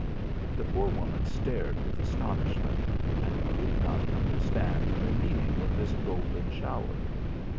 The poor woman stared with astonishment, and could not understand the meaning of this golden shower.